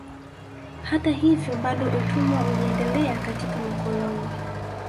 Hata hivyo bado utumwa uliendelea katika makoloni